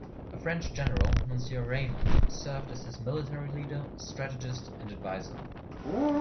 A French general, Monsieur Raymond, served as his military leader, strategist and advisor.